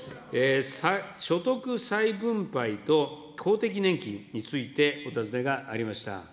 所得再分配と公的年金についてお尋ねがありました。